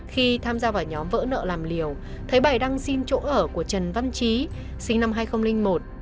khi tham gia vào nhóm vỡ nợ làm liều thấy bài đăng xin chỗ ở của trần văn trí sinh năm hai nghìn một